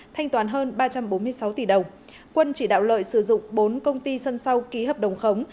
thanh toán hơn ba trăm bốn mươi sáu tỷ đồng quân chỉ đạo lợi sử dụng bốn công ty sân sau ký hợp đồng khống